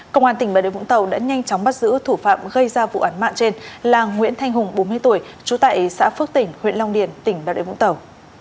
công an tỉnh bà điều vũng tàu đã nhanh chóng bắt giữ thủ phạm gây ra vụ án mạng trên là nguyễn thanh hùng bốn mươi tuổi trú tại xã phước tỉnh huyện long điền tỉnh bà rịa vũng tàu